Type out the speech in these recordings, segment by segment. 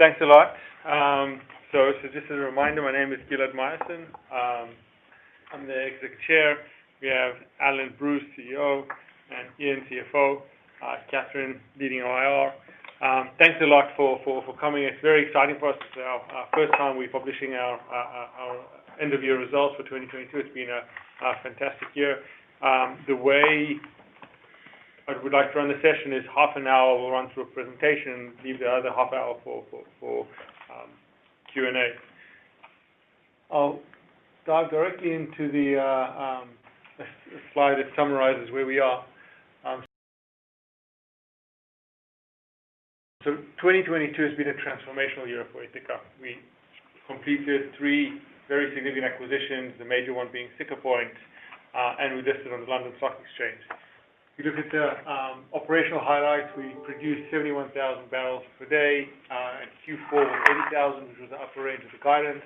Thanks a lot. Just a reminder, my name is Gilad Myerson. I'm the exec chair. We have Alan Bruce, CEO, and Iain, CFO, Catherine leading IR. Thanks a lot for coming. It's very exciting for us. This is our first time we're publishing our end of year results for 2022. It's been a fantastic year. The way I would like to run the session is half an hour, we'll run through a presentation, leave the other half hour for Q&A. I'll dive directly into the slide that summarizes where we are. 2022 has been a transformational year for Ithaca. We completed three very significant acquisitions, the major one being Siccar Point, and we listed on the London Stock Exchange. If you look at the operational highlights, we produced 71,000 barrels per day at Q4 80,000, which was the upper range of the guidance.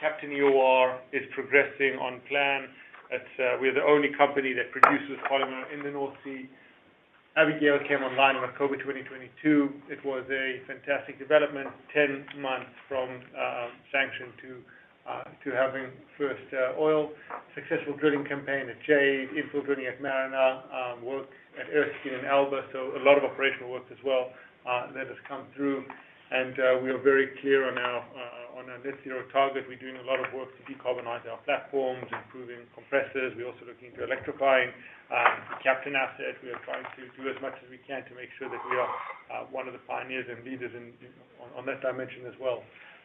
Captain EOR is progressing on plan. It's. We're the only company that produces polymer in the North Sea. Abigail came online in October 2022. It was a fantastic development. 10 months from sanction to having first oil. Successful drilling campaign at Jade, infill drilling at Mariner, work at Erskine and Alba. A lot of operational work as well that has come through. We are very clear on our net zero target. We're doing a lot of work to decarbonize our platforms, improving compressors. We're also looking to electrifying Captain asset. We are trying to do as much as we can to make sure that we are, one of the pioneers and leaders on that dimension as well.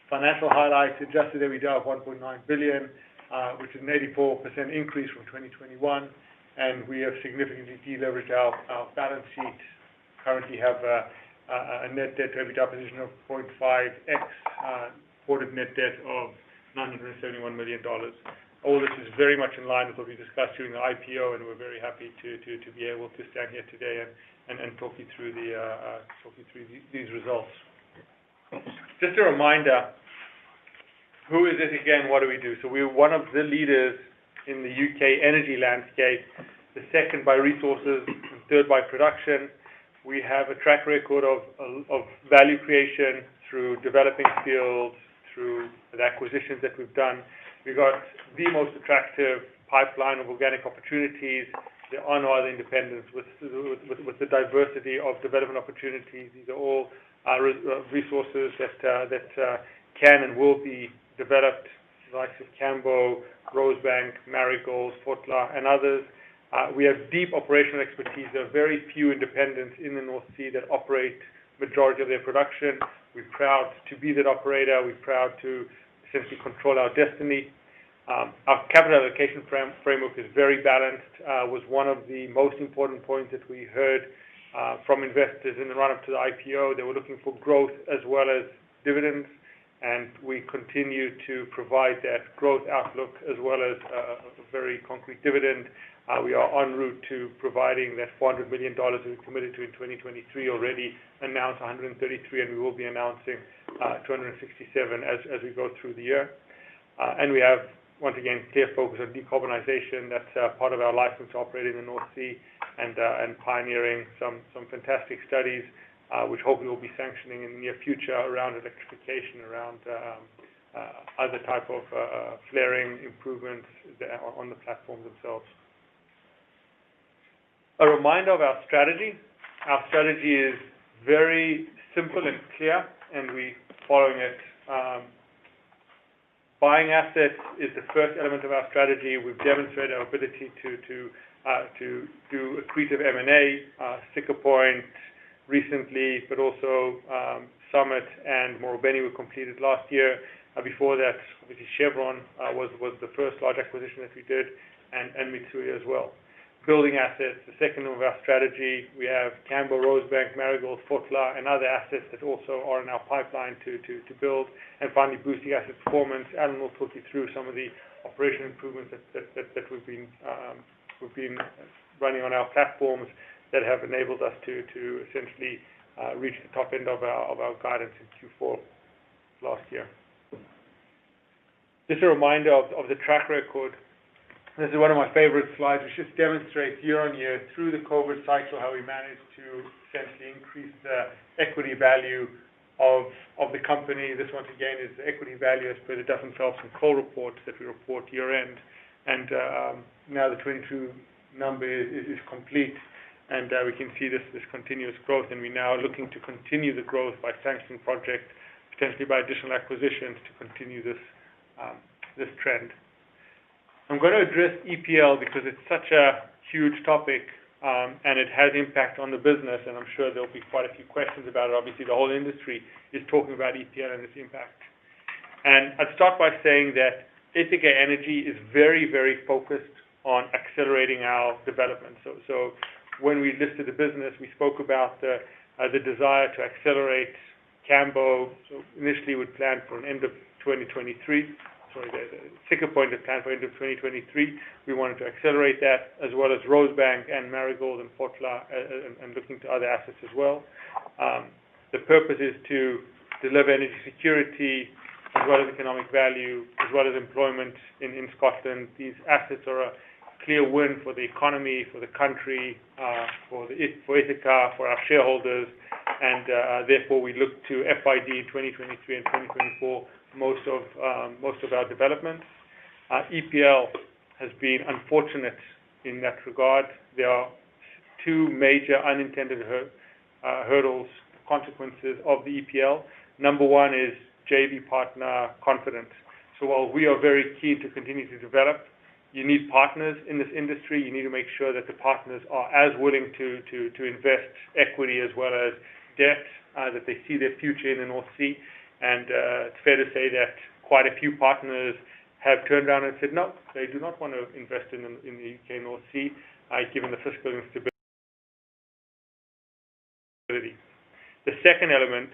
Financial highlights, adjusted EBITDA of $1.9 billion, which is an 84% increase from 2021, and we have significantly de-leveraged our balance sheet. Currently have a net debt to EBITDA position of 0.5x, quarter net debt of $971 million. All this is very much in line with what we discussed during the IPO, and we're very happy to be able to stand here today and talk you through these results. Just a reminder, who is this again? What do we do? We're one of the leaders in the U.K. energy landscape, the second by resources and third by production. We have a track record of value creation through developing skills, through the acquisitions that we've done. We've got the most attractive pipeline of organic opportunities. We are oil independent with the diversity of development opportunities. These are all resources that can and will be developed, the likes of Cambo, Rosebank, Marigold, Fotla, and others. We have deep operational expertise. There are very few independents in the North Sea that operate majority of their production. We're proud to be that operator. We're proud to essentially control our destiny. Our capital allocation framework is very balanced. Was one of the most important points that we heard from investors in the run-up to the IPO. They were looking for growth as well as dividends. We continue to provide that growth outlook as well as a very concrete dividend. We are en route to providing that $400 million we've committed to in 2023. Already announced $133. We will be announcing $267 as we go through the year. We have, once again, clear focus on decarbonization. That's part of our license operating in North Sea and pioneering some fantastic studies, which hopefully we'll be sanctioning in the near future around electrification, around other type of flaring improvements on the platforms themselves. A reminder of our strategy. Our strategy is very simple and clear. We're following it. Buying assets is the first element of our strategy. We've demonstrated our ability to do accretive M&A, Siccar Point recently, also Summit and Marubeni were completed last year. Before that, obviously Chevron was the first large acquisition that we did and Mitsui as well. Building assets, the second of our strategy, we have Cambo, Rosebank, Marigold, Fotla, and other assets that also are in our pipeline to build. Finally, boost the asset performance. Alan will talk you through some of the operation improvements that we've been running on our platforms that have enabled us to essentially reach the top end of our guidance in Q4 last year. Just a reminder of the track record. This is one of my favorite slides, which just demonstrates year-on-year through the COVID cycle, how we managed to essentially increase the equity value of the company. This once again, is the equity value as per the definite results and core reports that we report year-end. Now the 2022 number is complete, and we can see this continuous growth, and we're now looking to continue the growth by sanction project, potentially by additional acquisitions to continue this trend. I'm going to address EPL because it's such a huge topic, and it has impact on the business, and I'm sure there'll be quite a few questions about it. Obviously, the whole industry is talking about EPL and its impact. I'd start by saying that Ithaca Energy is very, very focused on accelerating our development. When we listed the business, we spoke about the desire to accelerate Cambo. Initially, we planned for an end of 2023. Sorry, the Siccar Point is planned for end of 2023. We wanted to accelerate that, as well as Rosebank and Marigold and Fotla, and looking to other assets as well. The purpose is to deliver energy security as well as economic value, as well as employment in Scotland. These assets are a clear win for the economy, for the country, for Ithaca, for our shareholders, and therefore, we look to FY 2023 and 2024 most of our development. Our EPL has been unfortunate in that regard. There are two major unintended hurdles, consequences of the EPL. Number one is JV partner confidence. While we are very keen to continue to develop, you need partners in this industry. You need to make sure that the partners are as willing to invest equity as well as debt, that they see their future in the North Sea. It's fair to say that quite a few partners have turned around and said, "No," they do not want to invest in the U.K. North Sea, given the fiscal instability. The second element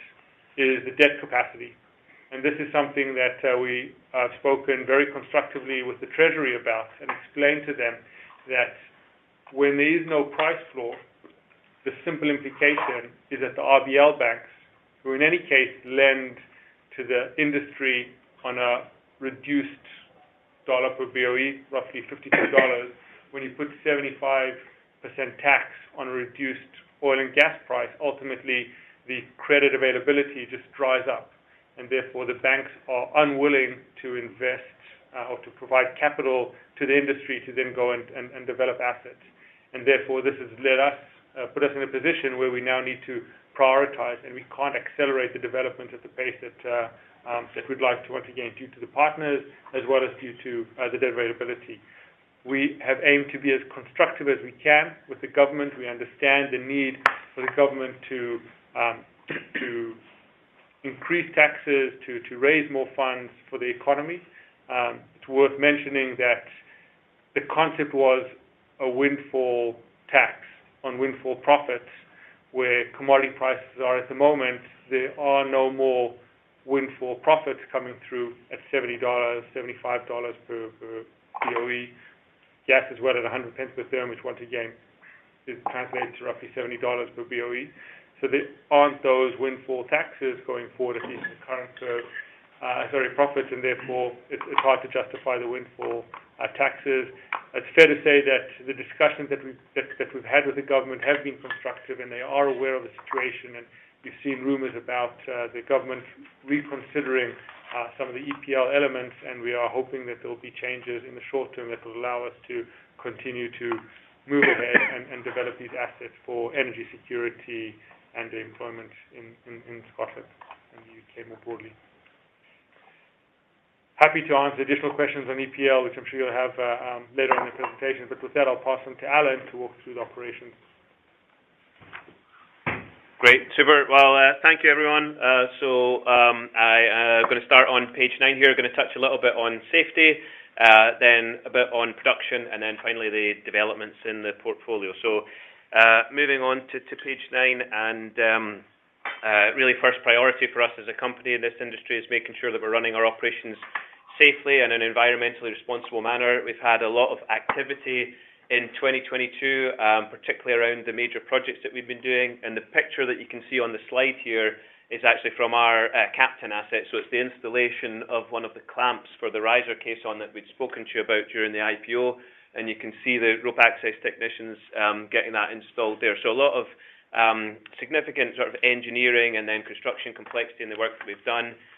is the debt capacity. This is something that we have spoken very constructively with the Treasury about and explained to them that when there is no price floor, the simple implication is that the RBL banks, who in any case lend to the industry on a reduced $ per BOE, roughly $52, when you put 75% tax on a reduced oil and gas price, ultimately the credit availability just dries up. Therefore, the banks are unwilling to invest or to provide capital to the industry to then go and develop assets. Therefore, this has put us in a position where we now need to prioritize, and we can't accelerate the development at the pace that we'd like to once again due to the partners as well as due to the debt availability. We have aimed to be as constructive as we can with the government. We understand the need for the government to increase taxes, to raise more funds for the economy. It's worth mentioning that the concept was a windfall tax on windfall profits. Where commodity prices are at the moment, there are no more windfall profits coming through at $70, $75 per BOE gas as well at 100 pence per therm, which once again just translates to roughly $70 per BOE. So there aren't those windfall taxes going forward at least at current profits, and therefore, it's hard to justify the windfall taxes. It's fair to say that the discussions that we've had with the government have been constructive, and they are aware of the situation. We've seen rumors about the government reconsidering some of the EPL elements, and we are hoping that there will be changes in the short term that will allow us to continue to move ahead and develop these assets for energy security and employment in Scotland and the U.K. more broadly. Happy to answer additional questions on EPL, which I'm sure you'll have later in the presentation. With that, I'll pass on to Alan to walk through the operations. Great. Super. Well, thank you everyone. I gonna start on page nine here. Gonna touch a little bit on safety, then a bit on production, finally the developments in the portfolio. Moving on to page nine, really first priority for us as a company in this industry is making sure that we're running our operations safely in an environmentally responsible manner. We've had a lot of activity in 2022, particularly around the major projects that we've been doing. The picture that you can see on the slide here is actually from our Captain asset. It's the installation of one of the clamps for the riser caisson that we'd spoken to you about during the IPO. You can see the rope access technicians getting that installed there. A lot of significant sort of engineering and then construction complexity in the work that we've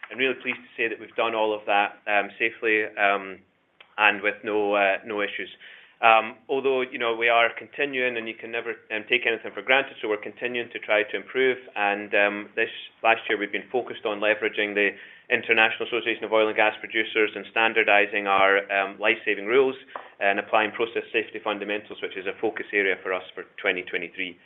done. I'm really pleased to say that we've done all of that safely and with no no issues. Although, you know, we are continuing, and you can never take anything for granted, so we're continuing to try to improve. This last year we've been focused on leveraging the International Association of Oil & Gas Producers and standardizing our Life-Saving Rules and applying Process Safety Fundamentals, which is a focus area for us for 2023.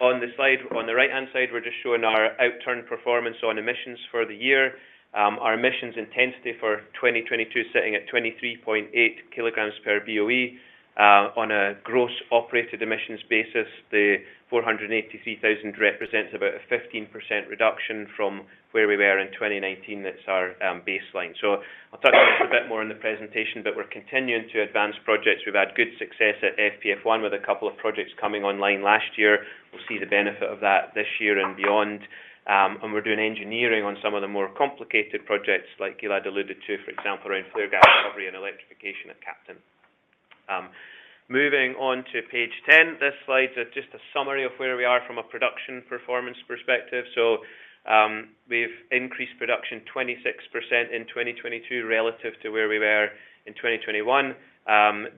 On the slide on the right-hand side, we're just showing our outturn performance on emissions for the year. Our emissions intensity for 2022 sitting at 23.8 kg per BOE. On a gross operated emissions basis, the 483,000 represents about a 15% reduction from where we were in 2019. That's our baseline. I'll talk about it a bit more in the presentation, but we're continuing to advance projects. We've had good success at FPF-1 with a couple of projects coming online last year. We'll see the benefit of that this year and beyond. We're doing engineering on some of the more complicated projects like Gilad alluded to, for example, around flare gas recovery and electrification at Captain. Moving on to page 10. This slide is just a summary of where we are from a production performance perspective. We've increased production 26% in 2022 relative to where we were in 2021.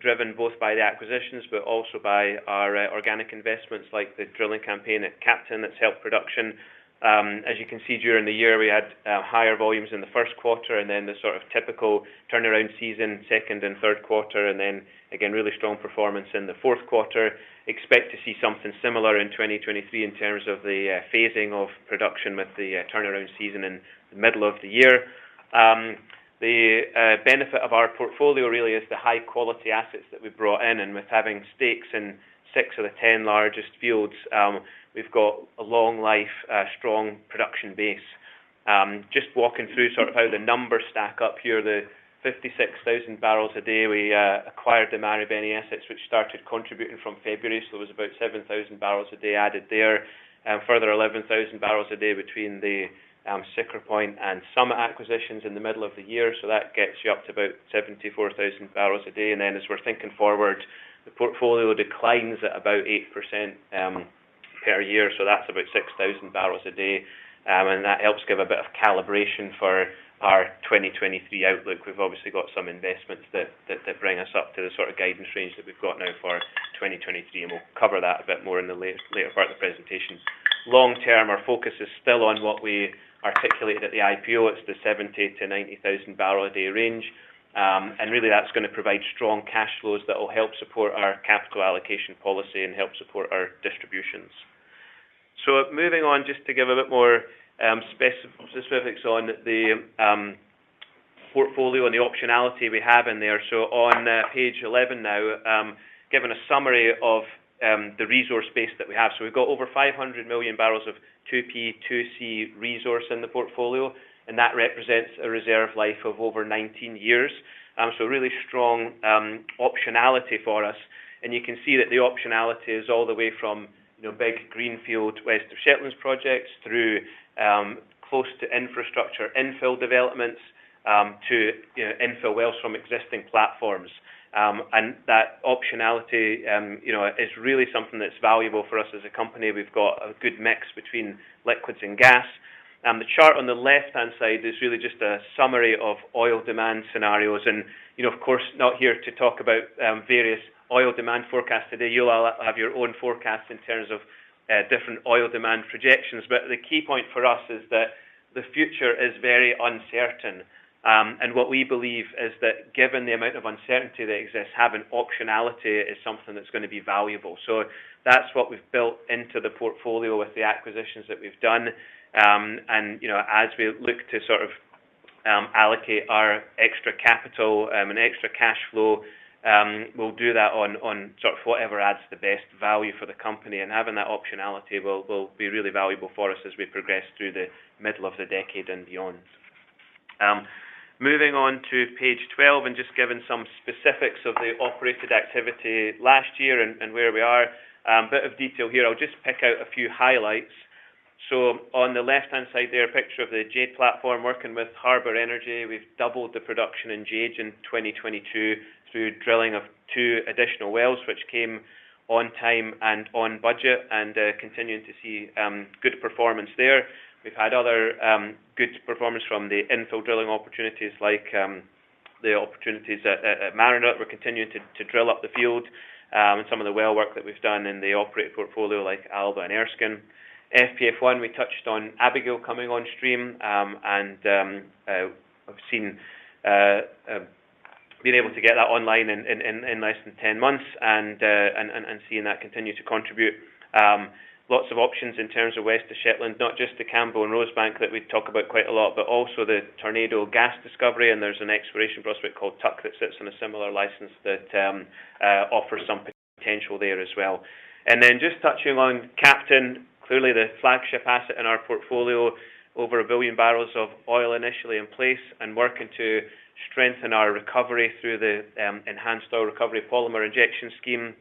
Driven both by the acquisitions but also by our organic investments like the drilling campaign at Captain that's helped production. As you can see, during the year, we had higher volumes in the first quarter and then the sort of typical turnaround season second and third quarter and then again, really strong performance in the fourth quarter. Expect to see something similar in 2023 in terms of the phasing of production with the turnaround season in the middle of the year. The benefit of our portfolio really is the high-quality assets that we've brought in. With having stakes in six of the 10 largest fields, we've got a long life, strong production base. Just walking through sort of how the numbers stack up here. The 56,000 barrels a day, we acquired the Moray Benny assets which started contributing from February. It was about 7,000 barrels a day added there. Further 11,000 barrels a day between the Siccar Point and Summit acquisitions in the middle of the year. That gets you up to about 74,000 barrels a day. As we're thinking forward, the portfolio declines at about 8% per year, so that's about 6,000 barrels a day. That helps give a bit of calibration for our 2023 outlook. We've obviously got some investments that bring us up to the sort of guidance range that we've got now for 2023, and we'll cover that a bit more in the later part of the presentation. Long term, our focus is still on what we articulated at the IPO. It's the 70,000-90,000 barrel a day range. really that's gonna provide strong cash flows that will help support our capital allocation policy and help support our distributions. Moving on just to give a bit more specifics on the portfolio and the optionality we have in there. On page 11 now, given a summary of the resource base that we have. We've got over 500 million barrels of 2P/2C resource in the portfolio. That represents a reserve life of over 19 years. really strong optionality for us. You can see that the optionality is all the way from, you know, big greenfield West of Shetland projects through, close to infrastructure infill developments, to, you know, infill wells from existing platforms. That optionality, you know, is really something that's valuable for us as a company. We've got a good mix between liquids and gas. The chart on the left-hand side is really just a summary of oil demand scenarios. And, you know, of course, not here to talk about, various oil demand forecasts today. You all have your own forecasts in terms of, different oil demand projections. But the key point for us is that the future is very uncertain. What we believe is that given the amount of uncertainty that exists, having optionality is something that's gonna be valuable. That's what we've built into the portfolio with the acquisitions that we've done. You know, as we look to sort of allocate our extra capital and extra cash flow, we'll do that on sort of whatever adds the best value for the company. Having that optionality will be really valuable for us as we progress through the middle of the decade and beyond. Moving on to page 12 and just giving some specifics of the operated activity last year and where we are. A bit of detail here. I'll just pick out a few highlights. On the left-hand side there, a picture of the Jade platform working with Harbor Energy. We've doubled the production in Jade in 2022 through drilling of two additional wells, which came on time and on budget, continuing to see good performance there. We've had other good performance from the infill drilling opportunities like the opportunities at Mariner. We're continuing to drill up the field, some of the well work that we've done in the operated portfolio like Alba and Erskine. FPF-1, we touched on Abigail coming on stream, I've seen being able to get that online in less than 10 months and seeing that continue to contribute. Lots of options in terms of West of Shetland, not just the Cambo and Rosebank that we talk about quite a lot, but also the Tornado gas discovery. There's an exploration prospect called Tuck that sits on a similar license that offers some potential there as well. Just touching on Captain, clearly the flagship asset in our portfolio, over 1 billion barrels of oil initially in place and working to strengthen our recovery through the Enhanced Oil Recovery polymer injection scheme.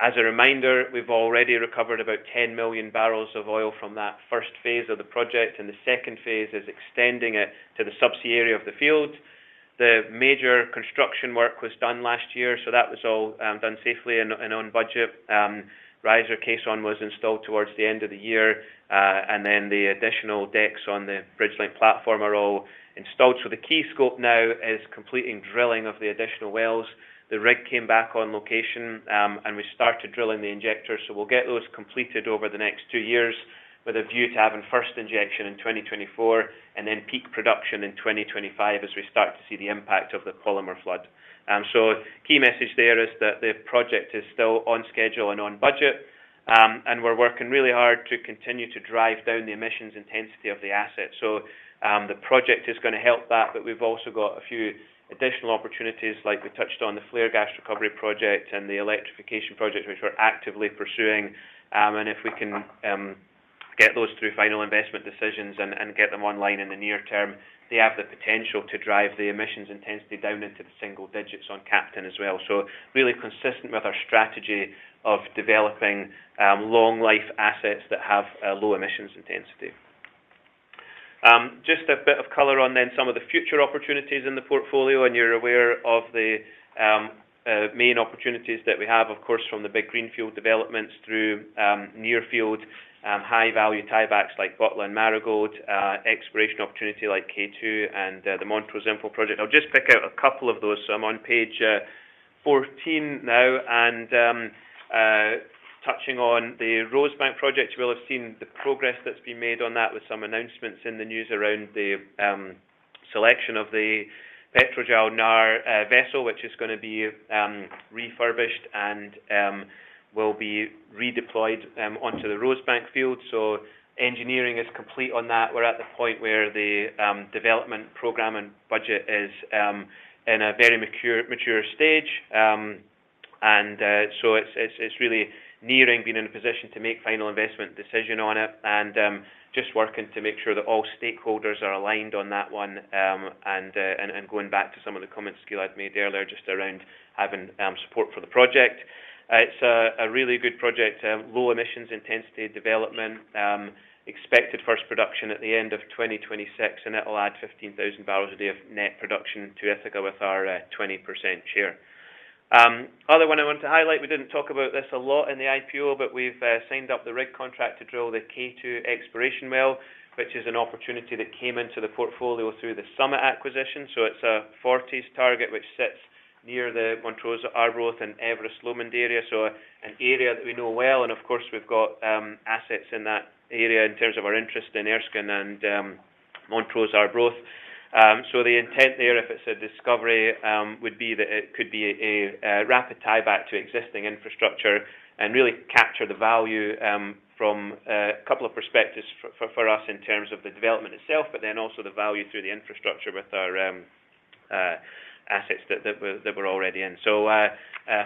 As a reminder, we've already recovered about 10 million barrels of oil from that first phase of the project, and the second phase is extending it to the subsea area of the field. The major construction work was done last year, so that was all done safely and on budget. Riser caisson was installed towards the end of the year, the additional decks on the Bridge Linked Platform are all installed. The key scope now is completing drilling of the additional wells. The rig came back on location, we started drilling the injectors. We'll get those completed over the next two years with a view to having first injection in 2024 and then peak production in 2025 as we start to see the impact of the polymer flood. Key message there is that the project is still on schedule and on budget. We're working really hard to continue to drive down the emissions intensity of the asset. The project is gonna help that, but we've also got a few additional opportunities like we touched on the flare gas recovery project and the electrification project, which we're actively pursuing. If we can get those through final investment decisions and get them online in the near term, they have the potential to drive the emissions intensity down into the single digits on Captain as well. Really consistent with our strategy of developing long life assets that have a low emissions intensity. Just a bit of color on some of the future opportunities in the portfolio, you're aware of the main opportunities that we have, of course, from the big greenfield developments through near field high-value tiebacks like Fotla and Marigold, exploration opportunity like K2 and the Montrose infill project. I'll just pick out a couple of those. I'm on page 14 now and touching on the Rosebank project. You will have seen the progress that's been made on that with some announcements in the news around the selection of the Petrojarl Knarr vessel, which is gonna be refurbished and will be redeployed onto the Rosebank field. Engineering is complete on that. We're at the point where the development program and budget is in a very mature stage. It's really nearing being in a position to make final investment decision on it and just working to make sure that all stakeholders are aligned on that one. Going back to some of the comments Gil had made earlier, just around having support for the project. It's a really good project, low emissions intensity development, expected first production at the end of 2026. It will add 15,000 barrels a day of net production to Ithaca with our 20% share. Other one I want to highlight, we didn't talk about this a lot in the IPO, but we've signed up the rig contract to drill the K-2 exploration well, which is an opportunity that came into the portfolio through the Summit acquisition. It's a Forties target which sits near the Montrose, Arbroath, and Everest/Lomond area. An area that we know well, of course, we've got assets in that area in terms of our interest in Erskine and Montrose, Arbroath. The intent there, if it's a discovery, would be that it could be a rapid tieback to existing infrastructure and really capture the value from a couple of perspectives for us in terms of the development itself, but then also the value through the infrastructure with our assets that we're already in.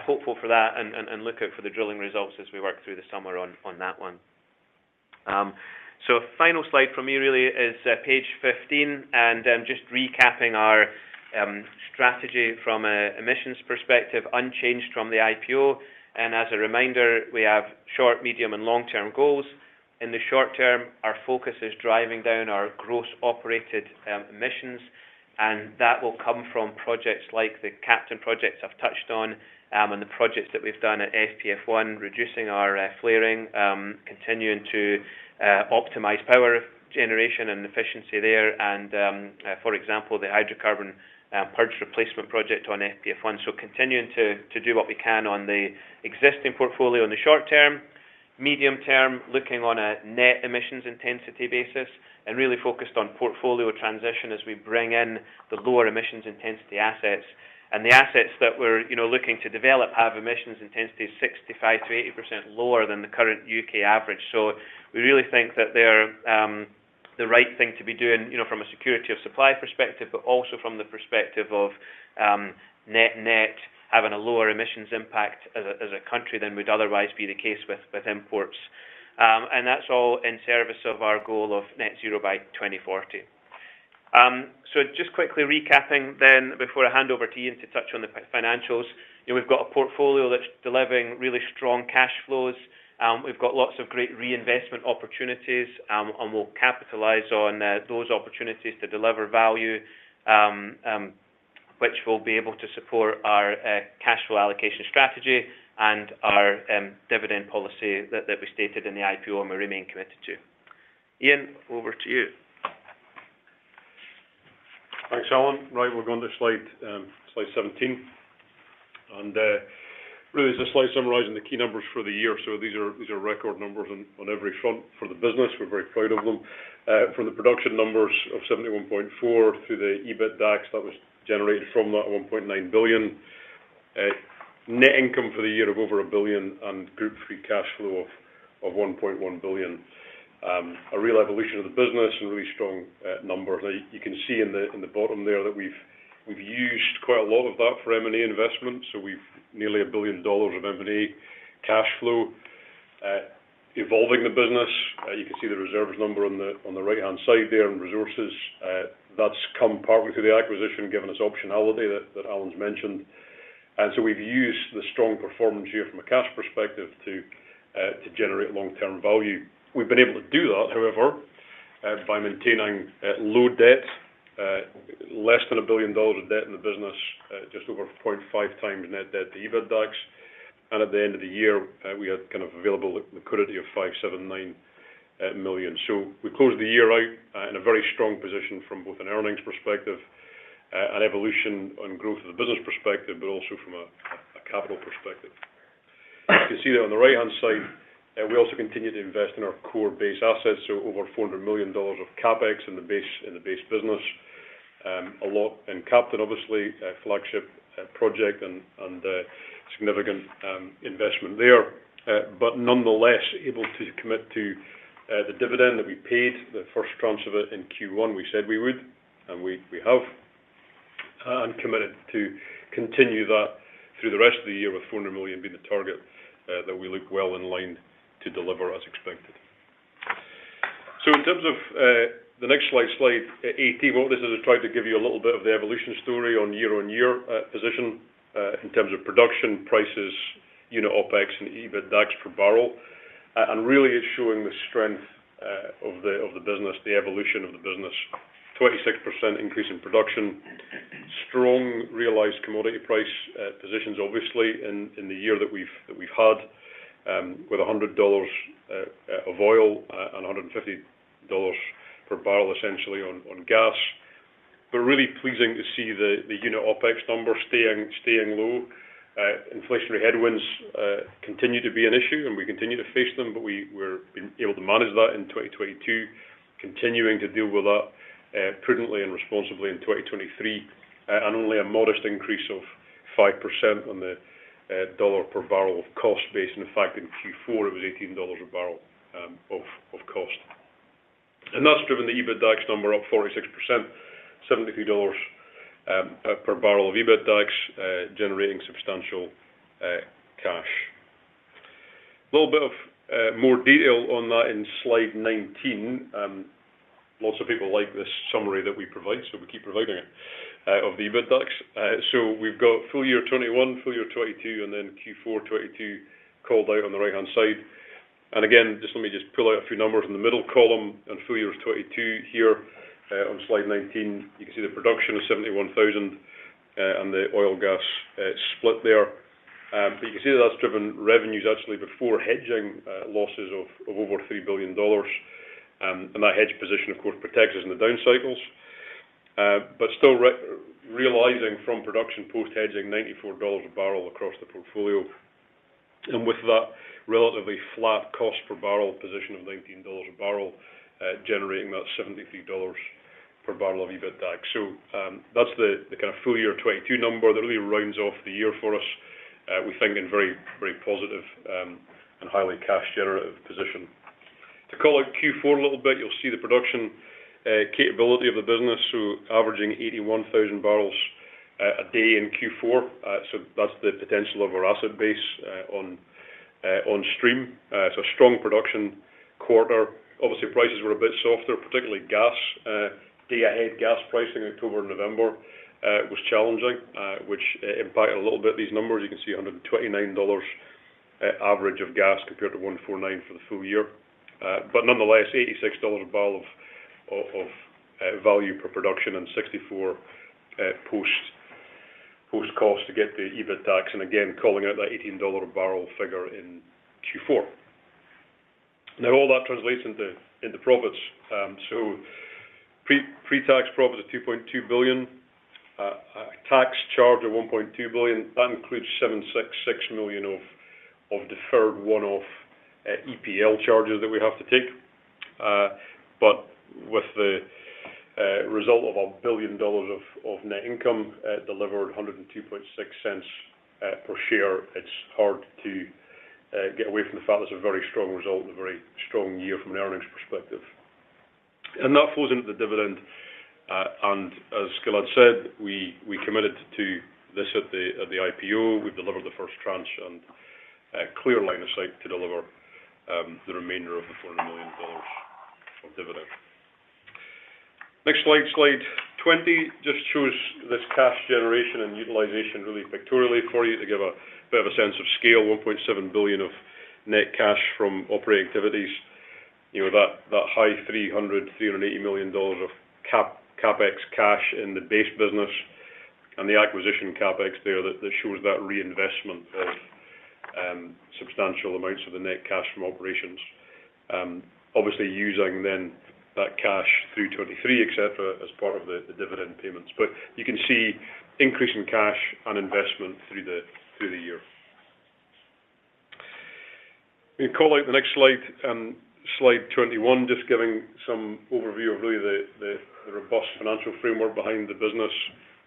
Hopeful for that and look out for the drilling results as we work through the summer on that one. Final slide for me really is page 15, and just recapping our strategy from a emissions perspective, unchanged from the IPO. As a reminder, we have short, medium, and long-term goals. In the short term, our focus is driving down our gross operated emissions. That will come from projects like the Captain projects I've touched on, and the projects that we've done at FPF-1, reducing our flaring, continuing to optimize power generation and efficiency there. For example, the hydrocarbon purge replacement project on FPF-1. Continuing to do what we can on the existing portfolio in the short term. Medium term, looking on a net emissions intensity basis and really focused on portfolio transition as we bring in the lower emissions intensity assets. The assets that we're, you know, looking to develop have emissions intensity 65%-80% lower than the current U.K. average. We really think that they're the right thing to be doing, you know, from a security of supply perspective, but also from the perspective of net-net having a lower emissions impact as a country than would otherwise be the case with imports. And that's all in service of our goal of net zero by 2040. Just quickly recapping then before I hand over to Iain to touch on the financials. You know, we've got a portfolio that's delivering really strong cash flows. We've got lots of great reinvestment opportunities, and we'll capitalize on those opportunities to deliver value, which will be able to support our cash flow allocation strategy and our dividend policy that we stated in the IPO and we remain committed to. Iain, over to you. Thanks, Alan. Right, we're going to slide 17. Really, it's a slide summarizing the key numbers for the year. These are record numbers on every front for the business. We're very proud of them. From the production numbers of 71.4 to the EBITDAX that was generated from that $1.9 billion. Net income for the year of over $1 billion and group free cash flow of $1.1 billion. A real evolution of the business and really strong numbers. You can see in the bottom there that we've used quite a lot of that for M&A investment. We've nearly $1 billion of M&A cash flow evolving the business. You can see the reserves number on the right-hand side there, and resources. That's come partly through the acquisition, giving us optionality that Alan's mentioned. We've used the strong performance here from a cash perspective to generate long-term value. We've been able to do that, however, by maintaining low debt, less than $1 billion of debt in the business, just over 0.5 times net debt to EBITDAX. At the end of the year, we had kind of available liquidity of $579 million. We closed the year out in a very strong position from both an earnings perspective, an evolution on growth of the business perspective, but also from a capital perspective. You can see that on the right-hand side, we also continue to invest in our core base assets, over $400 million of CapEx in the base business. A lot in Captain, obviously, a flagship project and a significant investment there. Nonetheless, able to commit to the dividend that we paid, the first tranche of it in Q1, we said we would, and we have. I'm committed to continue that through the rest of the year with $400 million being the target that we look well in line to deliver as expected. In terms of the next slide 18. What this is, I tried to give you a little bit of the evolution story on year on year position in terms of production, prices, unit OpEx and EBITDAX per barrel. Really it's showing the strength of the business, the evolution of the business. 26% increase in production. Strong realized commodity price positions, obviously, in the year that we've had, with $100 of oil and $150 per barrel, essentially on gas. Really pleasing to see the unit OpEx numbers staying low. Inflationary headwinds continue to be an issue, and we continue to face them, but we're able to manage that in 2022, continuing to deal with that prudently and responsibly in 2023. Only a modest increase of 5% on the dollar per barrel of cost base. In fact, in Q4, it was $18 a barrel of cost. That's driven the EBITDAX number up 46%, $73 per barrel of EBITDAX, generating substantial cash. Little bit of more detail on that in slide 19. Lots of people like this summary that we provide, so we keep providing it of the EBITDAX. We've got full year 2021, full year 2022, and then Q4 2022 called out on the right-hand side. Again, let me just pull out a few numbers in the middle column. In full year 2022 here, on slide 19, you can see the production of 71,000, and the oil gas split there. You can see that that's driven revenues actually before hedging losses of over $3 billion. That hedge position, of course, protects us in the down cycles. Still realizing from production post hedging $94 a barrel across the portfolio. With that relatively flat cost per barrel position of $19 a barrel, generating that $73 per barrel of EBITDAX. That's the kind of full year 2022 number that really rounds off the year for us, we think in very positive and highly cash generative position. To call out Q4 a little bit, you'll see the production capability of the business. Averaging 81,000 barrels a day in Q4. That's the potential of our asset base on stream. It's a strong production quarter. Obviously, prices were a bit softer, particularly gas, day ahead gas pricing October and November was challenging, which impacted a little bit these numbers. You can see $129 average of gas compared to $149 for the full year. Nonetheless, $86 a barrel of value per production and $64 post costs to get the EBITDAX. Again, calling out that $18 a barrel figure in Q4. All that translates into profits. Pre-pretax profit of $2.2 billion. Tax charge of $1.2 billion. That includes $766 million of deferred one-off EPL charges that we have to take. With the result of $1 billion of net income, delivered $1.026 per share, it's hard to get away from the fact that's a very strong result and a very strong year from an earnings perspective. That falls into the dividend. As Gilad said, we committed to this at the IPO. We delivered the first tranche and a clear line of sight to deliver the remainder of the $40 million of dividend. Next slide 20, just shows this cash generation and utilization really pictorially for you to give a bit of a sense of scale. $1.7 billion of net cash from operating activities. You know, that high $300 million-$380 million of CapEx cash in the base business and the acquisition CapEx there that shows that reinvestment of substantial amounts of the net cash from operations. Obviously using then that cash through 2023, et cetera, as part of the dividend payments. You can see increase in cash and investment through the year. Let me call out the next slide 21, just giving some overview of really the robust financial framework behind the business.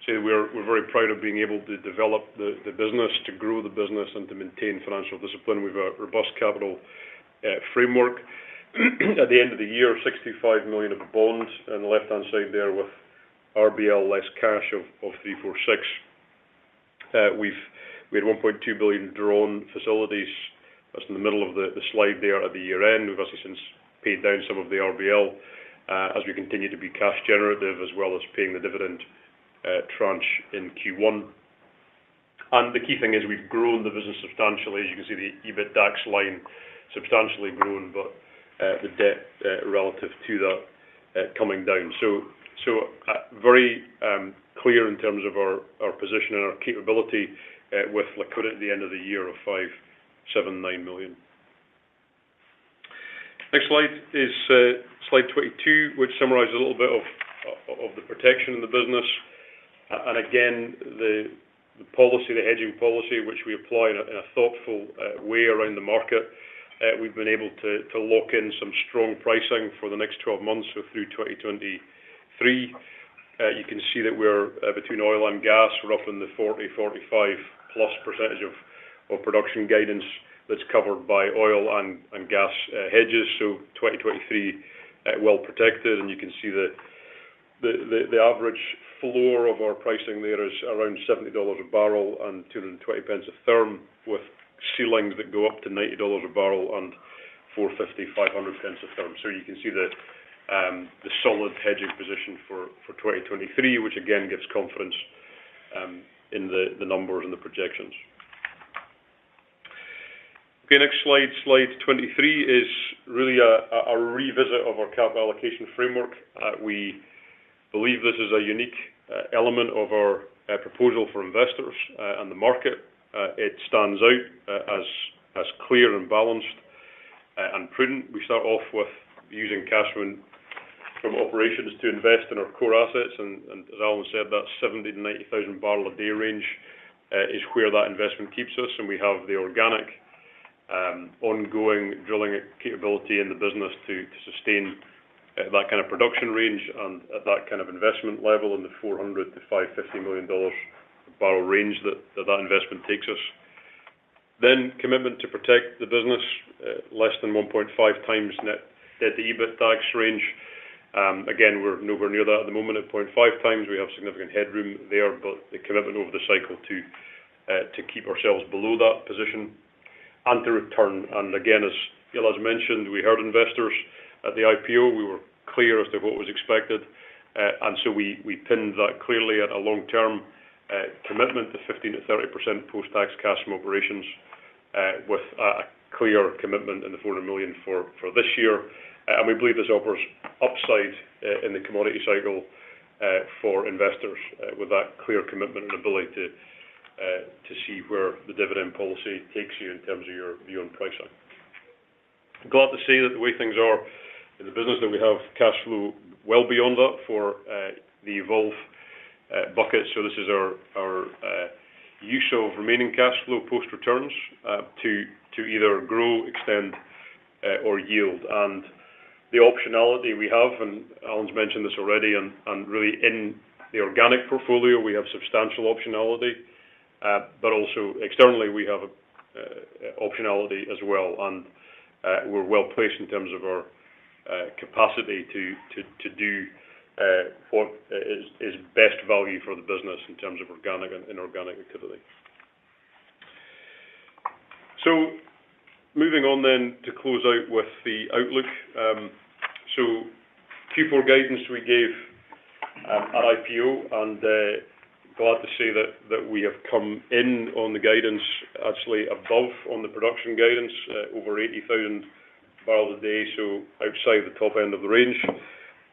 Say we're very proud of being able to develop the business, to grow the business, and to maintain financial discipline. We've a robust capital framework. At the end of the year, $65 million of bonds in the left-hand side there with RBL less cash of $346. We had $1.2 billion drawn facilities. That's in the middle of the slide there at the year-end. We've obviously since paid down some of the RBL as we continue to be cash generative, as well as paying the dividend tranche in Q1. The key thing is we've grown the business substantially. As you can see, the EBITDAX line substantially grown, but the debt relative to that coming down. Very clear in terms of our position and our capability with liquidity at the end of the year of $579 million. Next slide is slide 22, which summarizes a little bit of the protection in the business. Again, the policy, the hedging policy, which we apply in a thoughtful way around the market. We've been able to lock in some strong pricing for the next 12 months, so through 2023. You can see that we're between oil and gas. We're up in the 40%, 45+% of production guidance that's covered by oil and gas hedges. 2023 well protected. You can see the average floor of our pricing there is around $70 a barrel and 220 pence a therm, with ceilings that go up to $90 a barrel and 450, 500 pence a therm. You can see the solid hedging position for 2023, which again gives confidence in the numbers and the projections. Next slide 23, is really a revisit of our capital allocation framework. We believe this is a unique element of our proposal for investors and the market. It stands out as clear and balanced and prudent. We start off with using cash from operations to invest in our core assets. As Alan said, that 70,000-90,000 barrel a day range is where that investment keeps us. We have the organic ongoing drilling capability in the business to sustain that kind of production range and at that kind of investment level in the $400 million-$550 million barrel range that investment takes us. Commitment to protect the business less than 1.5 times net debt to EBITDAX range. Again, we're nowhere near that at the moment. At 0.5 times, we have significant headroom there, but the commitment over the cycle to keep ourselves below that position and to return. Again, as Gilad mentioned, we heard investors at the IPO. We were clear as to what was expected. So we pinned that clearly at a long-term commitment to 15%-30% post-tax cash from operations, with a clear commitment in the $400 million for this year. We believe this offers upside in the commodity cycle for investors with that clear commitment and ability to see where the dividend policy takes you in terms of your view on price hike. Glad to see that the way things are in the business that we have cash flow well beyond that for the evolve bucket. This is our use of remaining cash flow post-returns to either grow, extend, or yield. The optionality we have, and Alan's mentioned this already, and really in the organic portfolio, we have substantial optionality, but also externally, we have optionality as well. We're well-placed in terms of our capacity to do what is best value for the business in terms of organic and inorganic activity. Moving on to close out with the outlook. Q4 guidance we gave at IPO, and glad to say that we have come in on the guidance actually above on the production guidance, over 80,000 barrels a day, outside the top end of the range.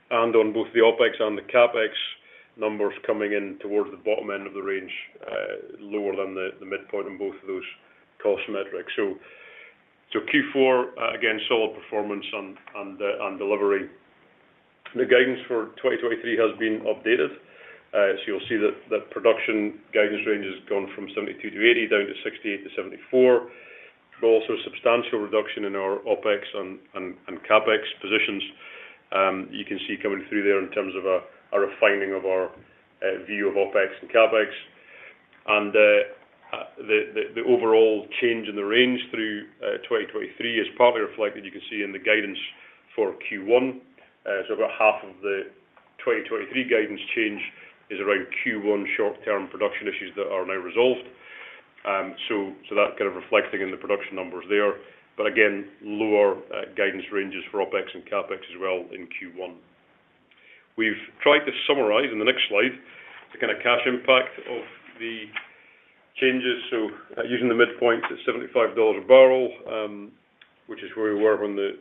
On both the OpEx and the CapEx numbers coming in towards the bottom end of the range, lower than the midpoint on both of those cost metrics. Q4, again, solid performance on the delivery. The guidance for 2023 has been updated. So you'll see that production guidance range has gone from 72-80, down to 68-74. Also substantial reduction in our OpEx and CapEx positions. You can see coming through there in terms of a refining of our view of OpEx and CapEx. The overall change in the range through 2023 is partly reflected, you can see in the guidance for Q1. About half of the 2023 guidance change is around Q1 short-term production issues that are now resolved. That kind of reflecting in the production numbers there. Again, lower guidance ranges for OpEx and CapEx as well in Q1. We've tried to summarize in the next slide the kind of cash impact of the changes. Using the midpoint at $75 a barrel, which is where we were when the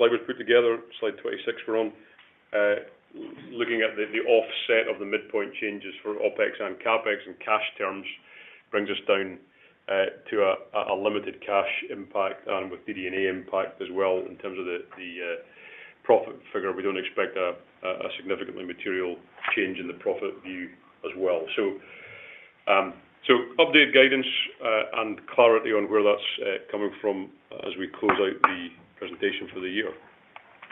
slide was put together, slide 26 we're on. Looking at the offset of the midpoint changes for OpEx and CapEx in cash terms brings us down to a limited cash impact and with DD&A impact as well in terms of the profit figure. We don't expect a significantly material change in the profit view as well. Update guidance, and clarity on where that's coming from as we close out the presentation for the year.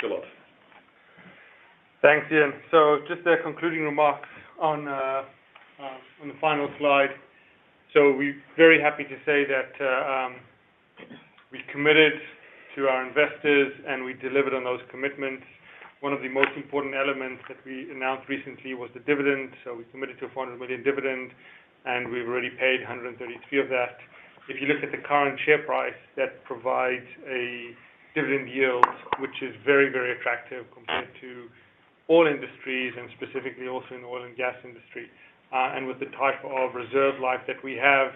Gilad Myerson. Thanks, Iain. Just a concluding remarks on the final slide. We're very happy to say that we committed to our investors and we delivered on those commitments. One of the most important elements that we announced recently was the dividend. We committed to a $400 million dividend, and we've already paid $133 of that. If you look at the current share price, that provides a dividend yield which is very, very attractive compared to all industries and specifically also in the oil and gas industry. With the type of reserve life that we have,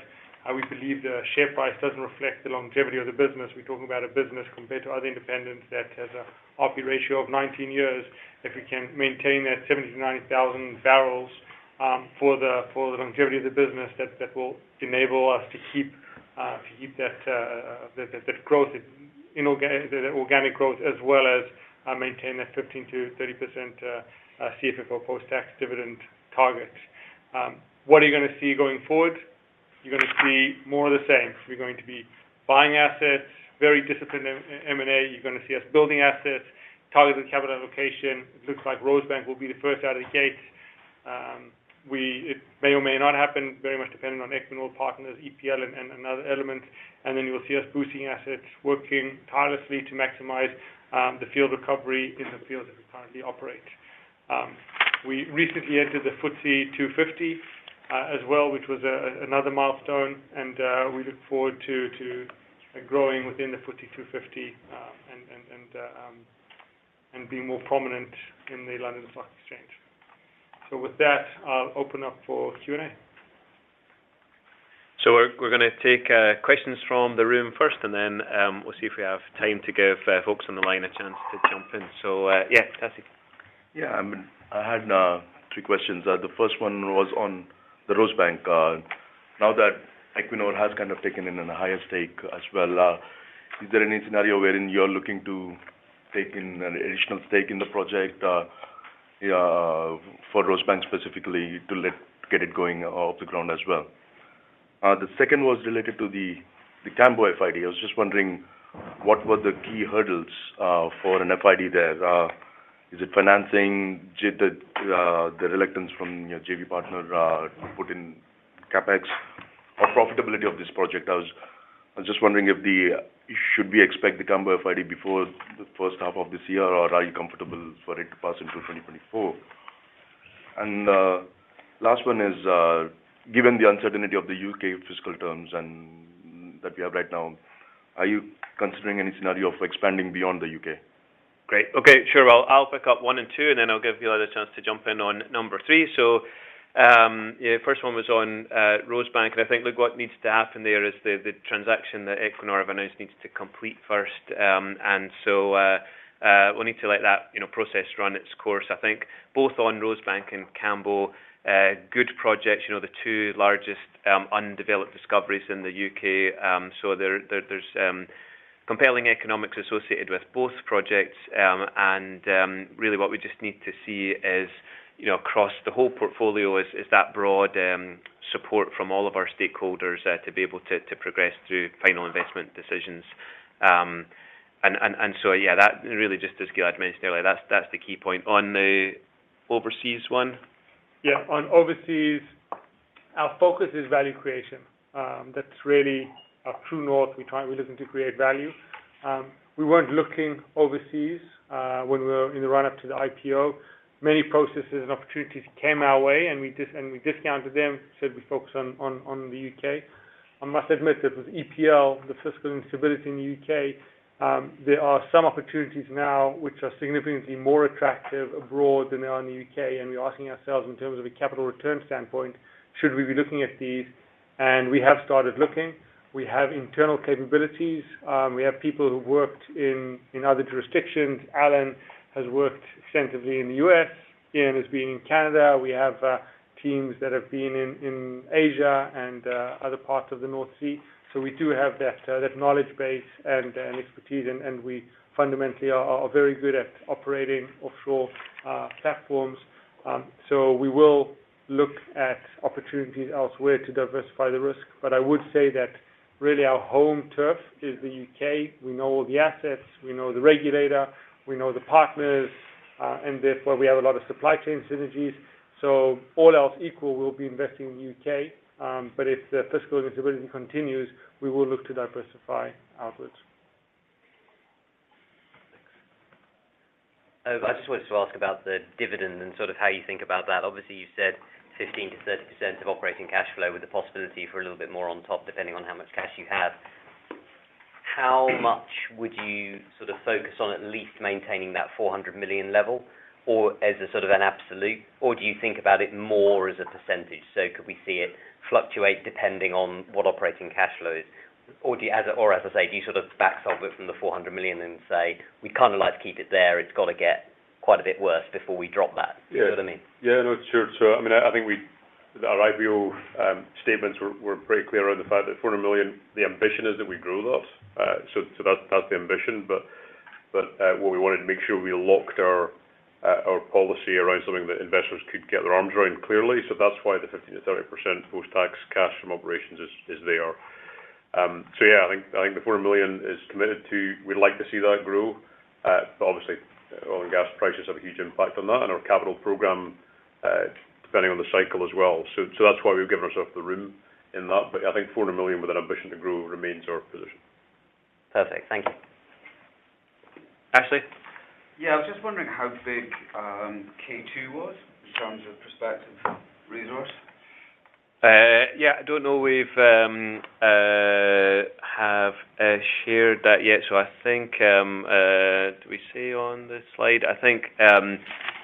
we believe the share price doesn't reflect the longevity of the business. We're talking about a business compared to other independents that has a OpEx ratio of 19 years. If we can maintain that 70,000-90,000 barrels for the longevity of the business, that will enable us to keep that organic growth, as well as maintain that 15%-30% CFFO post-tax dividend target. What are you gonna see going forward? You're gonna see more of the same. We're going to be buying assets, very disciplined in M&A. You're gonna see us building assets, targeted capital allocation. It looks like Rosebank will be the first out of the gate. It may or may not happen very much depending on Equinor Partners, EPL, and other elements. Then you will see us boosting assets, working tirelessly to maximize the field recovery in the fields that we currently operate. We recently entered the FTSE 250 as well, which was another milestone, and we look forward to growing within the FTSE 250 and being more prominent in the London Stock Exchange. With that, I'll open up for Q&A. We're gonna take questions from the room first, and then, we'll see if we have time to give folks on the line a chance to jump in. Yeah, Cassie. Yeah. I had three questions. The first one was on the Rosebank. Now that Equinor has kind of taken in an higher stake as well, is there any scenario wherein you're looking to take in an additional stake in the project for Rosebank specifically to get it going off the ground as well? The second was related to the Cambo FID. I was just wondering What were the key hurdles for an FID there? Is it financing? Did the reluctance from your JV partner put in CapEx or profitability of this project? I was just wondering should we expect the Cambo FID before the first half of this year, or are you comfortable for it to pass into 2024? Last one is given the uncertainty of the U.K. fiscal terms and that we have right now, are you considering any scenario for expanding beyond the U.K.? Great. Okay, sure. Well, I'll pick up one and two, and then I'll give Gilad a chance to jump in on number three. Yeah, first one was on Rosebank, and I think, look, what needs to happen there is the transaction that Equinor have announced needs to complete first. We'll need to let that, you know, process run its course. I think both on Rosebank and Cambo, good projects, you know, the two largest undeveloped discoveries in the U.K.. There, there's compelling economics associated with both projects. Really what we just need to see is, you know, across the whole portfolio is that broad support from all of our stakeholders to be able to progress through final investment decisions. Yeah, that really just as Gilad mentioned earlier, that's the key point. On the overseas one. Yeah. On overseas, our focus is value creation. That's really our true north. We're looking to create value. We weren't looking overseas when we were in the run-up to the IPO. Many processes and opportunities came our way, we discounted them, said we'd focus on the U.K.. I must admit that with EPL, the fiscal instability in the U.K., there are some opportunities now which are significantly more attractive abroad than they are in the U.K.. We're asking ourselves in terms of a capital return standpoint, should we be looking at these? We have started looking. We have internal capabilities. We have people who worked in other jurisdictions. Alan has worked extensively in the U.S. Iain has been in Canada. We have teams that have been in Asia and other parts of the North Sea. We do have that knowledge base and expertise, and we fundamentally are very good at operating offshore platforms. We will look at opportunities elsewhere to diversify the risk. I would say that really our home turf is the U.K.. We know all the assets, we know the regulator, we know the partners, and therefore we have a lot of supply chain synergies. All else equal, we'll be investing in the U.K.. If the fiscal instability continues, we will look to diversify outwards. Thanks. Oh, I just wanted to ask about the dividend and sort of how you think about that. Obviously, you said 15%-30% of operating cash flow with the possibility for a little bit more on top, depending on how much cash you have. How much would you sort of focus on at least maintaining that $400 million level or as a sort of an absolute, or do you think about it more as a percentage? Could we see it fluctuate depending on what operating cash flow is? Do you or as I say, do you sort of back solve it from the $400 million and say, "We'd kind of like to keep it there. It's got to get quite a bit worse before we drop that." Do you know what I mean? Yeah. No, sure. I mean, I think we-- our IPO statements were very clear around the fact that $400 million, the ambition is that we grow that. That's the ambition. What we wanted to make sure we locked our policy around something that investors could get their arms around clearly. That's why the 15%-30% post-tax cash from operations is there. Yeah, I think the $400 million is committed to. We'd like to see that grow. Obviously, oil and gas prices have a huge impact on that and our capital program, depending on the cycle as well. That's why we've given ourselves the room in that. I think $400 million with an ambition to grow remains our position. Perfect. Thank you. Ashley? Yeah. I was just wondering how big, K-2 was in terms of prospective resource. Yeah, I don't know we've shared that yet. I think, do we see on this slide? I think. I'm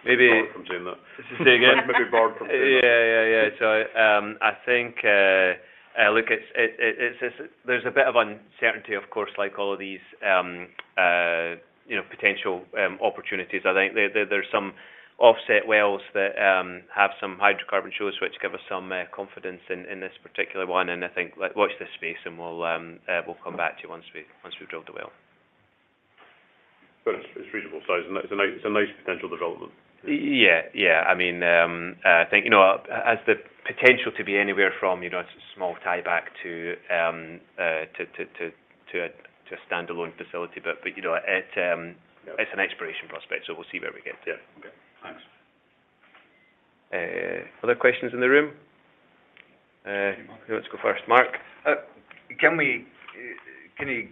not containing that. Say again? Maybe [Bart] can say that. Yeah, yeah. I think, look, there's a bit of uncertainty, of course, like all of these, you know, potential opportunities. I think there's some offset wells that have some hydrocarbon shows which give us some confidence in this particular one. I think let's watch this space and we'll come back to you once we've drilled the well. It's reasonable size. It's a nice potential development. Yeah. Yeah. I mean, I think, you know, as the potential to be anywhere from, you know, a small tieback to a standalone facility. You know, it's an exploration prospect, so we'll see where we get. Yeah. Okay. Thanks. Other questions in the room? Who wants to go first? Mark. Can you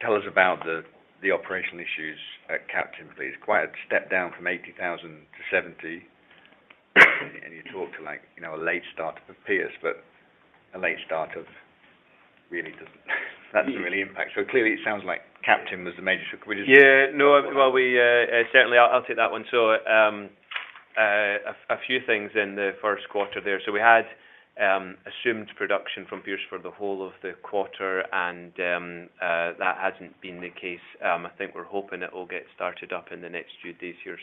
tell us about the operational issues at Captain, please? Quite a step down from 80,000-70,000. You talked to like, you know, a late start of the Pierce, but a late start of really doesn't. That's the really impact. Clearly it sounds like Captain was the major issue. Yeah. No. Well, we certainly I'll take that one. A few things in the first quarter there. We had assumed production from Pierce for the whole of the quarter, that hasn't been the case. I think we're hoping it will get started up in the next few days here.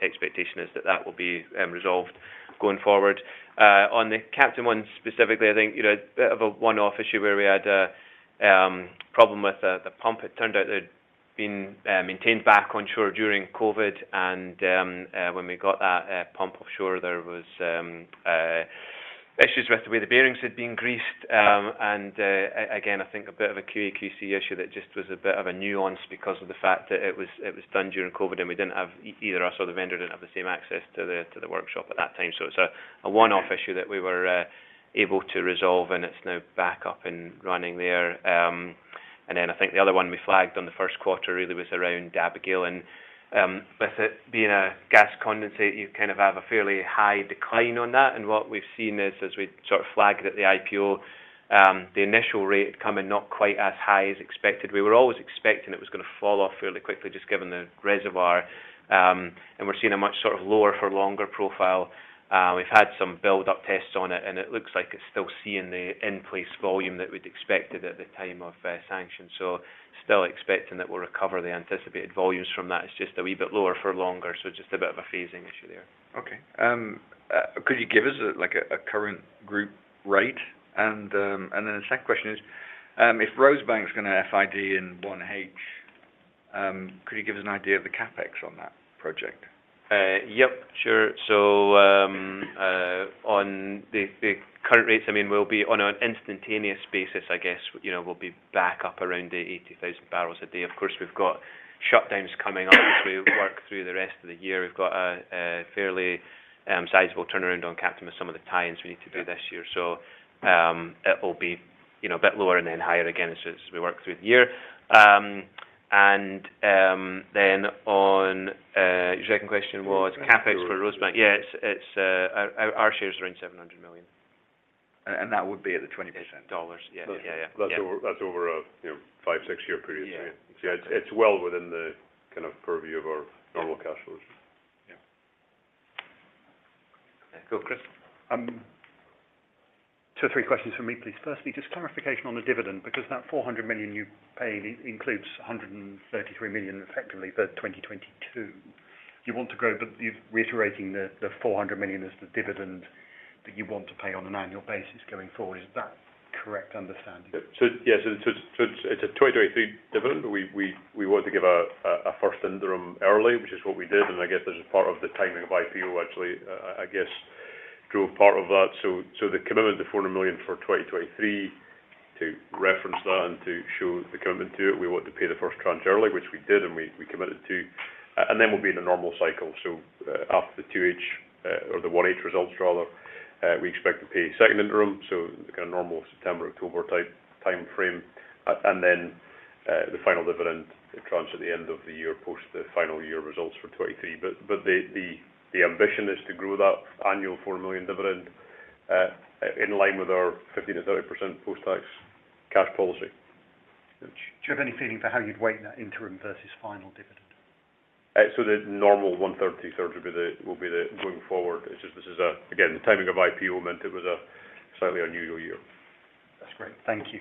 Expectation is that that will be resolved going forward. On the Captain one specifically, I think, you know, a bit of a one-off issue where we had a problem with the pump. It turned out it had been maintained back on shore during COVID when we got that pump offshore, there was issues with the way the bearings had been greased. I think a bit of a QAQC issue that just was a bit of a nuance because of the fact that it was, it was done during COVID, and we didn't have either us or the vendor didn't have the same access to the workshop at that time. It's a one-off issue that we were able to resolve, and it's now back up and running there. I think the other one we flagged on the first quarter really was around Abigail. With it being a gas condensate, you kind of have a fairly high decline on that. What we've seen is, as we sort of flagged at the IPO, the initial rate come in not quite as high as expected. We were always expecting it was gonna fall off fairly quickly just given the reservoir. We're seeing a much sort of lower for longer profile. We've had some build-up tests on it. It looks like it's still seeing the in-place volume that we'd expected at the time of sanction. Still expecting that we'll recover the anticipated volumes from that. It's just a wee bit lower for longer. Just a bit of a phasing issue there. Okay. Could you give us, like, a current group rate? The second question is, if Rosebank is going to FID in 1H, could you give us an idea of the CapEx on that project? Yep, sure. On the current rates, I mean, we'll be on an instantaneous basis, I guess, you know, we'll be back up around the 80,000 barrels a day. Of course, we've got shutdowns coming up as we work through the rest of the year. We've got a fairly sizable turnaround on Captain, some of the tie-ins we need to do this year. It will be, you know, a bit lower and then higher again as we work through the year. On your second question was... CapEx for Rosebank. CapEx for Rosebank. Yeah. It's our share is around $700 million. That would be at the 20%? Dollars. Yeah. Yeah, yeah. That's over a, you know, five, six year period. Yeah. It's well within the kind of purview of our normal cash flows. Yeah. Okay, cool. Chris? Two or three questions from me, please. Firstly, just clarification on the dividend, because that $400 million you paid includes $133 million effectively for 2022. You want to grow, but you're reiterating the $400 million is the dividend that you want to pay on an annual basis going forward. Is that correct understanding? Yeah. So it's a 2023 dividend. We want to give a first interim early, which is what we did. I guess as a part of the timing of IPO actually, I guess drew a part of that. The commitment to $400 million for 2023 to reference that and to show the commitment to it, we want to pay the first tranche early, which we did, and we committed to. Then we'll be in a normal cycle. After the 2H or the 1H results rather, we expect to pay second interim, so kind of normal September, October type timeframe. Then the final dividend tranche at the end of the year, post the final year results for 2023. The ambition is to grow that annual $4 million dividend in line with our 50%-30% post-tax cash policy. Do you have any feeling for how you'd weight that interim versus final dividend? The normal 1/3, 2/3 will be the going forward. It's just this is again, the timing of IPO meant it was a slightly unusual year. That's great. Thank you.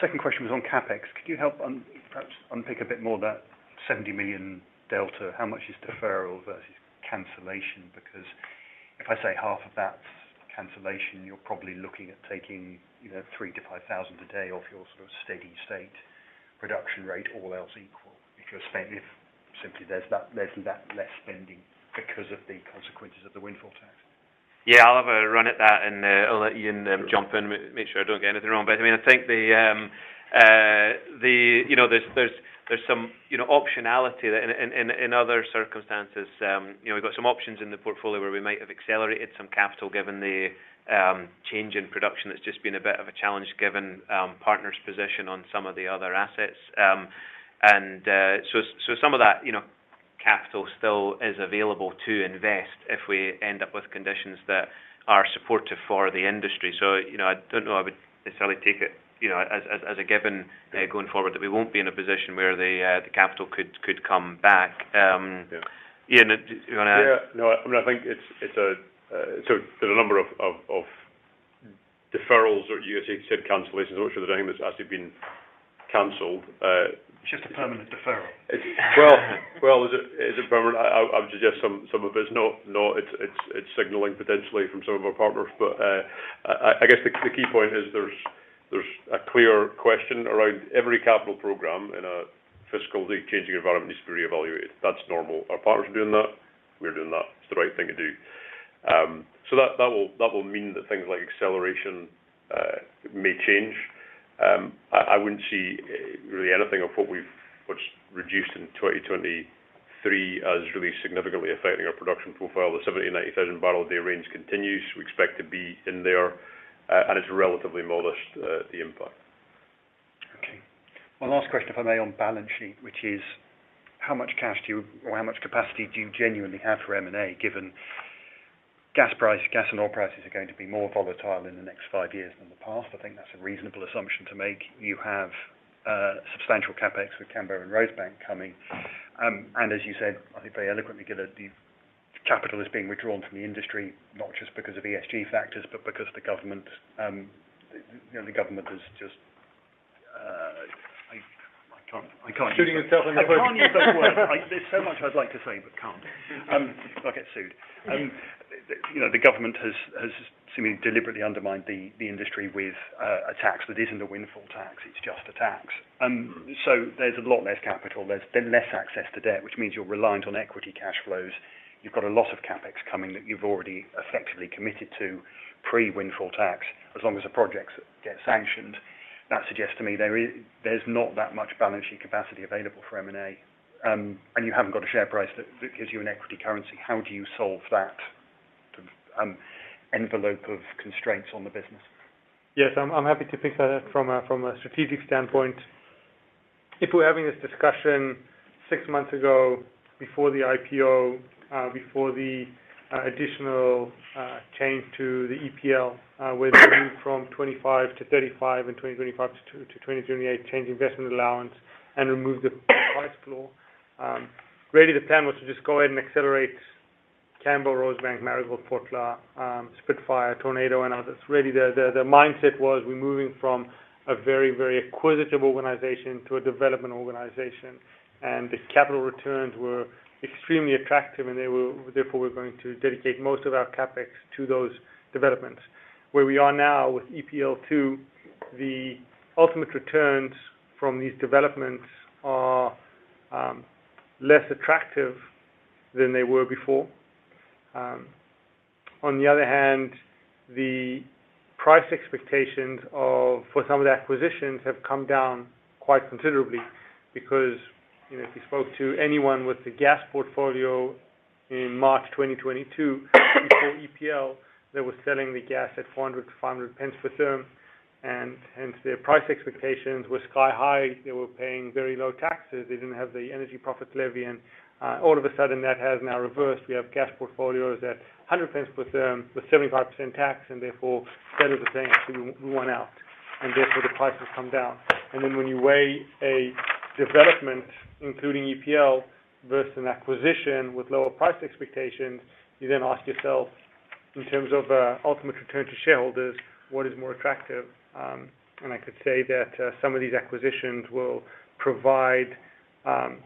Second question was on CapEx. Could you help perhaps unpick a bit more that $70 million delta? How much is deferral versus cancellation? If I say half of that's cancellation, you're probably looking at taking, you know, 3,000-5,000 a day off your sort of steady state production rate, all else equal. If simply there's less spending because of the consequences of the windfall tax. Yeah, I'll have a run at that and I'll let Iain jump in, make sure I don't get anything wrong. I mean, I think the, you know, there's some, you know, optionality that in other circumstances, you know, we've got some options in the portfolio where we might have accelerated some capital given the change in production that's just been a bit of a challenge given partners' position on some of the other assets. Some of that, you know, capital still is available to invest if we end up with conditions that are supportive for the industry. you know, I don't know, I would necessarily take it, you know, as a given, going forward, that we won't be in a position where the capital could come back. Yeah. Iain, do you wanna add? Yeah. No, I mean, I think there are a number of deferrals, or you said cancellations. I'm not sure there's anything that's actually been canceled. Just a permanent deferral. Well, is it permanent? I would suggest some of it's not. It's signaling potentially from some of our partners. I guess the key point is there's a clear question around every capital program in a fiscally changing environment needs to be reevaluated. That's normal. Our partners are doing that. We're doing that. It's the right thing to do. That will mean that things like acceleration may change. I wouldn't see really anything of what's reduced in 2023 as really significantly affecting our production profile. The 70,000-90,000 barrel a day range continues. We expect to be in there, and it's relatively modest, the impact. Okay. One last question, if I may, on balance sheet, which is how much cash do you, or how much capacity do you genuinely have for M&A, given gas price, gas and oil prices are going to be more volatile in the next five years than the past? I think that's a reasonable assumption to make. You have substantial CapEx with Cambo and Rosebank coming. As you said, I think very eloquently, given that the capital is being withdrawn from the industry, not just because of ESG factors, but because the government, you know, the government has just, I can't use- Shooting yourself in the foot. I can't use those words. I, there's so much I'd like to say, but can't. I'll get sued. You know, the government has seemingly deliberately undermined the industry with a tax that isn't a windfall tax, it's just a tax. There's a lot less capital, there's been less access to debt, which means you're reliant on equity cash flows. You've got a lot of CapEx coming that you've already effectively committed to pre-windfall tax, as long as the projects get sanctioned. That suggests to me there's not that much balancing capacity available for M&A. You haven't got a share price that gives you an equity currency. How do you solve that envelope of constraints on the business? Yes, I'm happy to pick that from a strategic standpoint. If we're having this discussion six months ago before the IPO, before the additional change to the EPL, where from 25-35 and 2025-2028 change investment allowance and remove the price floor, really the plan was to just go ahead and accelerate Cambo, Rosebank, Marigold, Fotla, Spitfire, Tornado and others. Really, the mindset was we're moving from a very acquisitive organization to a development organization, and the capital returns were extremely attractive, and therefore, we're going to dedicate most of our CapEx to those developments. Where we are now with EPL 2, the ultimate returns from these developments are less attractive than they were before. On the other hand, the price expectations for some of the acquisitions have come down quite considerably because, you know, if you spoke to anyone with the gas portfolio in March 2022 before EPL, they were selling the gas at 400-500 pence per therm, and hence their price expectations were sky high. They were paying very low taxes. They didn't have the Energy Profits Levy. All of a sudden, that has now reversed. We have gas portfolios at 100 pence per therm with 75% tax, and therefore instead of the thing, we want out, and therefore the price has come down. When you weigh a development, including EPL versus an acquisition with lower price expectations, you then ask yourself, in terms of ultimate return to shareholders, what is more attractive? I could say that some of these acquisitions will provide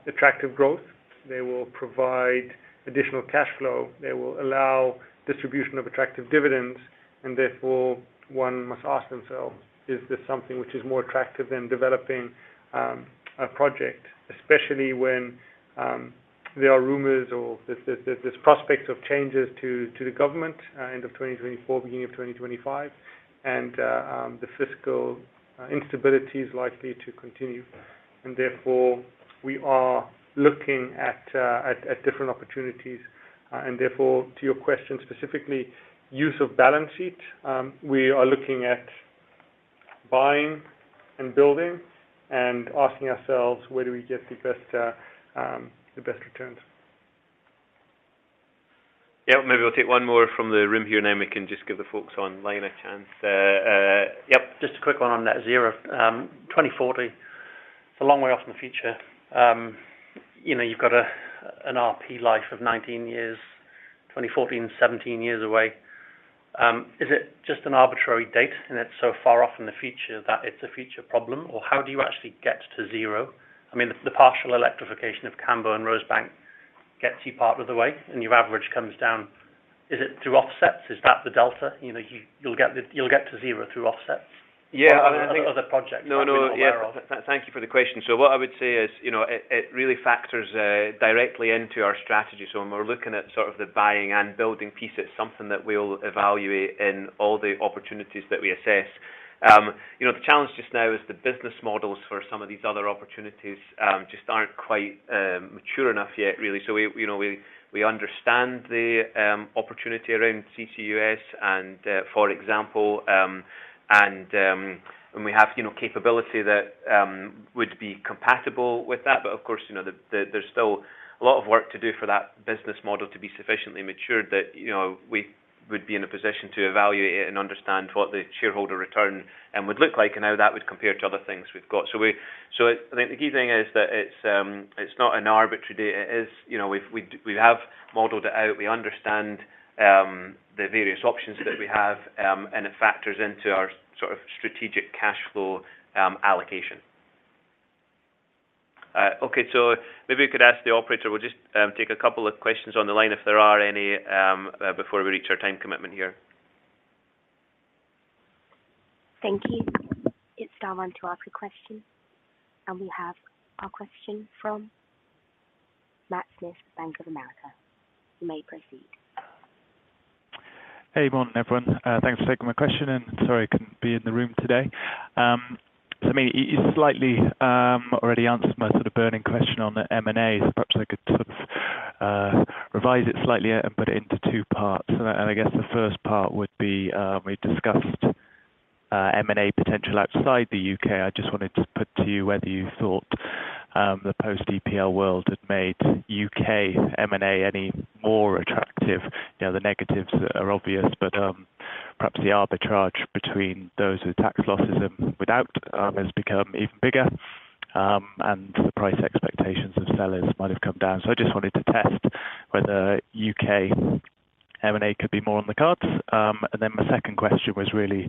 attractive growth. They will provide additional cash flow. They will allow distribution of attractive dividends. Therefore, one must ask themselves, is this something which is more attractive than developing a project? Especially when there are rumors or there's prospects of changes to the government, end of 2024, beginning of 2025. The fiscal instability is likely to continue. Therefore, we are looking at different opportunities. Therefore, to your question, specifically, use of balance sheet. We are looking at buying and building and asking ourselves, where do we get the best returns. Yeah. Maybe I'll take one more from the room here now, and we can just give the folks online a chance. Yep. Just a quick one on net zero. 2040, it's a long way off in the future. you know, you've got a, an RP life of 19 years, 2014, 17 years away. Is it just an arbitrary date, and it's so far off in the future that it's a future problem? Or how do you actually get to zero? I mean, the partial electrification of Cambo and Rosebank gets you part of the way, and your average comes down. Is it through offsets? Is that the delta? You know, you'll get to zero through offsets. Yeah. Other projects that I'm aware of. No, no. Yeah. Thank you for the question. What I would say is, you know, it really factors directly into our strategy. When we're looking at sort of the buying and building piece, it's something that we'll evaluate in all the opportunities that we assess. You know, the challenge just now is the business models for some of these other opportunities just aren't quite mature enough yet, really. We, you know, we understand the opportunity around CCUS and, for example, and we have, you know, capability that would be compatible with that. Of course, you know, there's still a lot of work to do for that business model to be sufficiently matured that, you know, we would be in a position to evaluate it and understand what the shareholder return would look like and how that would compare to other things we've got. I think the key thing is that it's not an arbitrary date. It is, you know, we have modeled it out. We understand the various options that we have and it factors into our sort of strategic cash flow allocation. Okay. Maybe you could ask the operator. We'll just take a couple of questions on the line, if there are any, before we reach our time commitment here. Thank you. It's now on to ask a question. We have a question from Matt Smith, Bank of America. You may proceed. Hey, morning, everyone. Thanks for taking my question. Sorry I couldn't be in the room today. I mean, you slightly already answered my sort of burning question on the M&A. Perhaps I could sort of revise it slightly and put it into two parts. I guess the first part would be, we discussed M&A potential outside the U.K.. I just wanted to put to you whether you thought the post-EPL world had made U.K. M&A any more attractive? You know, the negatives are obvious, but perhaps the arbitrage between those with tax losses and without has become even bigger and the price expectations of sellers might have come down. I just wanted to test whether U.K. M&A could be more on the cards. My second question was really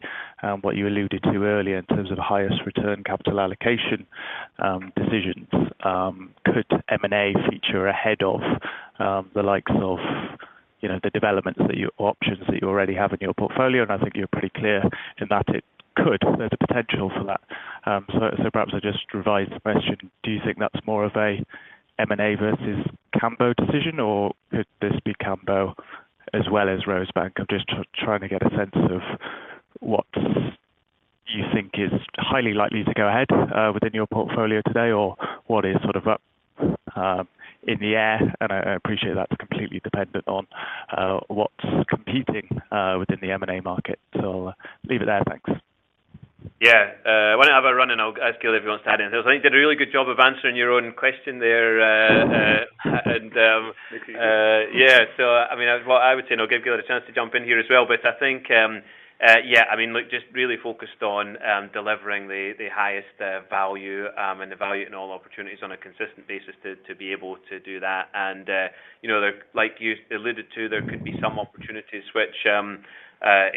what you alluded to earlier in terms of highest return capital allocation decisions. Could M&A feature ahead of the likes of, you know, the developments that you options that you already have in your portfolio? I think you're pretty clear in that it could. The potential for that. Perhaps I just revise the question. Do you think that's more of a M&A versus Cambo decision, or could this be Cambo? As well as Rosebank. I'm just trying to get a sense of what you think is highly likely to go ahead within your portfolio today or what is sort of up in the air. I appreciate that's completely dependent on what's competing within the M&A market. I'll leave it there. Thanks. Yeah. Why don't I have a run, and I'll ask Gilad if he wants to add anything. I think you did a really good job of answering your own question there. And, yeah. I mean, well, I would say, and I'll give Gilad a chance to jump in here as well, but I think, yeah, I mean, look, just really focused on delivering the highest value and evaluating all opportunities on a consistent basis to be able to do that. You know, like you alluded to, there could be some opportunities which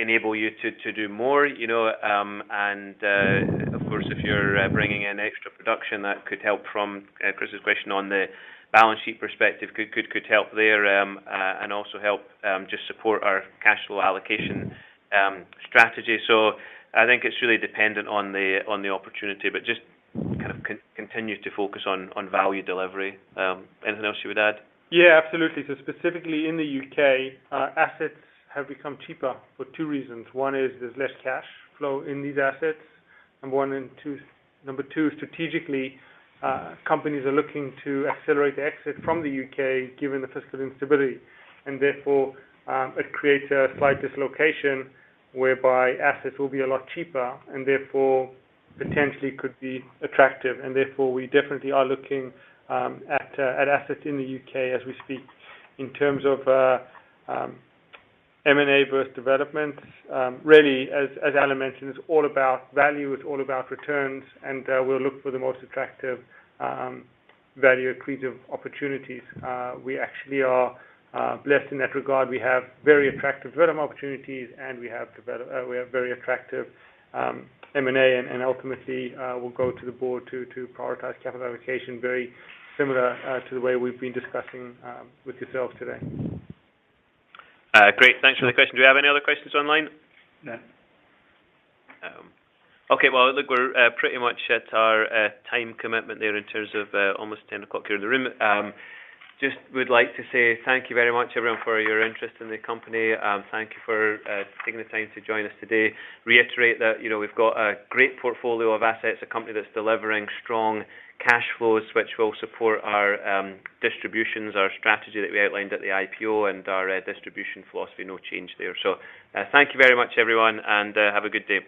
enable you to do more, you know, Of course, if you're bringing in extra production, that could help from Chris's question on the balance sheet perspective could help there, and also help just support our cash flow allocation strategy. I think it's really dependent on the opportunity, but just kind of continue to focus on value delivery. Anything else you would add? Yeah, absolutely. Specifically in the U.K., assets have become cheaper for two reasons. One is there's less cash flow in these assets, and number two, strategically, companies are looking to accelerate the exit from the U.K., given the fiscal instability. Therefore, it creates a slight dislocation whereby assets will be a lot cheaper and therefore potentially could be attractive. Therefore, we definitely are looking at assets in the U.K. as we speak. In terms of M&A versus development, really, as Alan mentioned, it's all about value, it's all about returns, and we'll look for the most attractive value accretive opportunities. We actually are blessed in that regard. We have very attractive development opportunities, and we have very attractive M&A. Ultimately, we'll go to the board to prioritize capital allocation very similar to the way we've been discussing with yourselves today. Great. Thanks for the question. Do we have any other questions online? No. Okay. Well, look, we're pretty much at our time commitment there in terms of almost 10:00 here in the room. Just would like to say thank you very much, everyone, for your interest in the company. Thank you for taking the time to join us today. Reiterate that, you know, we've got a great portfolio of assets, a company that's delivering strong cash flows, which will support our distributions, our strategy that we outlined at the IPO and our distribution philosophy. No change there. Thank you very much, everyone, and have a good day.